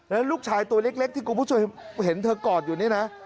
แล้วลูกชายตัวเล็กที่คุณผู้ชมเห็นเธอกอดอยู่นี่นะ